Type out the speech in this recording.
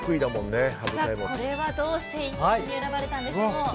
これはどうして逸品に選ばれたんでしょう。